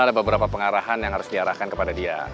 ada beberapa pengarahan yang harus diarahkan kepada dia